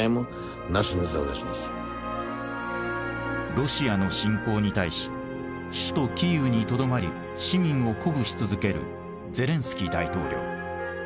ロシアの侵攻に対し首都キーウにとどまり市民を鼓舞し続けるゼレンスキー大統領。